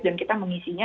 dan kita mengisinya